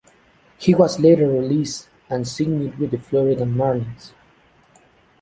He was later released and signed with the Florida Marlins.